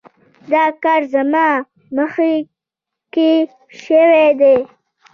دا کار زما مخکې شوی دی.